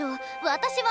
私は。